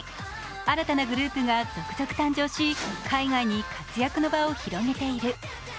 新たなグループが続々誕生し海外に活躍の場を広げている。